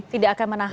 tidak akan menahan